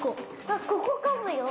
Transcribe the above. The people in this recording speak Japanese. あっここかもよ。